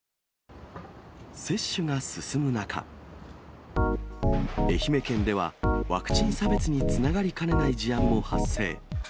接種が進む中、愛媛県では、ワクチン差別につながりかねない事案も発生。